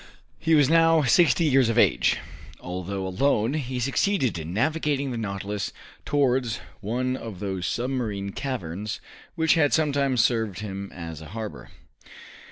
He was now sixty years of age. Although alone, he succeeded in navigating the "Nautilus" towards one of those submarine caverns which had sometimes served him as a harbor.